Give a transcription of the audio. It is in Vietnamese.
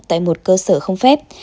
tại một cơ sở không phép